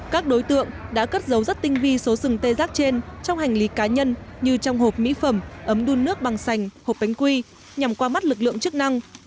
các đối tượng đã cất dấu rất tinh vi số sừng tê giác trên trong hành lý cá nhân như trong hộp mỹ phẩm ấm đun nước bằng sành hộp bánh quy nhằm qua mắt lực lượng chức năng